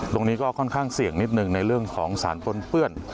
ตรงนี้ก็ค่อนข้างเสี่ยงนิดหนึ่งในเรื่องของสารปนเปื้อน